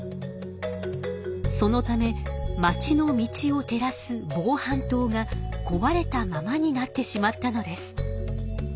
そのためまちの道をてらす防犯灯がこわれたままになってしまったのです。